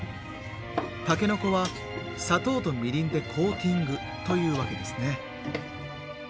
たけのこは砂糖とみりんでコーティングというわけですね。